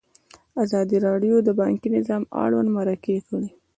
ازادي راډیو د بانکي نظام اړوند مرکې کړي.